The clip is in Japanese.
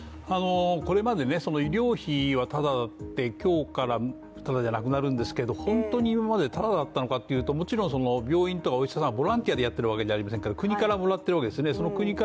これまで医療費はタダで、今日からタダじゃなくなるんですけど本当に今までタダだったのかというともちろん病院とかお医者さんボランティアでやっているわけじゃないですから、国からもらっているわけですね。